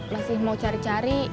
masih mau cari cari